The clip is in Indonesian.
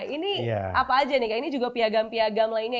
ini apa aja nih ini juga piagam piagam lainnya